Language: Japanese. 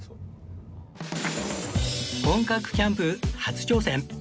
本格キャンプ初挑戦